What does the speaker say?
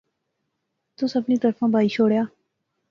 تُس اپنی طرفاں بائی شوڑیا